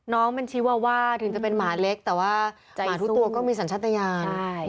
น้องมันชีวาว่าถึงจะเป็นหมาเล็กแต่ว่าหมาทุกตัวก็มีสัญชาติยาน